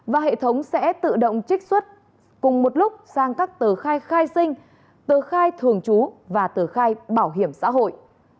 và hệ thống sẽ tự động trích xuất cùng một lúc sang các tờ khai khai sinh tờ khai thường trú và tờ khai bảo hiểm xã hội